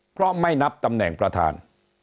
เพราะไม่นับตำแหน่งประธาน